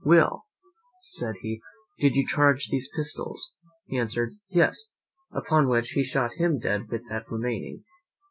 "Will," said he, "did you charge these pistols?" He answered, "Yes." Upon which, he shot him dead with that remaining.